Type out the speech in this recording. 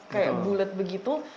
kayak bulet begitu